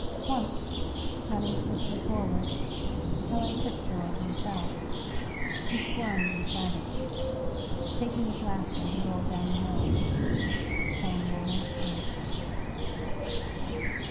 Once, running swiftly forward, Helen tripped George and he fell. He squirmed and shouted. Shaking with laughter, he roiled down the hill. Helen ran after him.